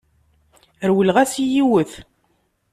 Rewleɣ-as i yiwet.